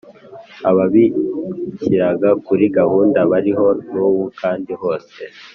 Ababishyiraga kuri gahunda Bariho n’ubu kandi hose